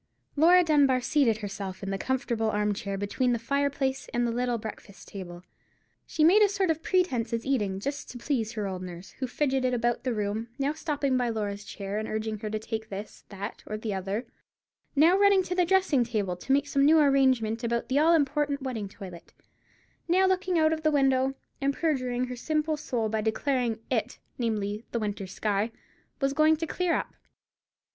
Laura Dunbar seated herself in the comfortable arm chair between the fireplace and the little breakfast table. She made a sort of pretence at eating, just to please her old nurse, who fidgeted about the room; now stopping by Laura's chair, and urging her to take this, that, or the other; now running to the dressing table to make some new arrangement about the all important wedding toilet; now looking out of the window and perjuring her simple soul by declaring that "it"—namely, the winter sky—was going to clear up.